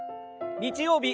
日曜日